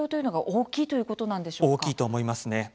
大きいと思いますね。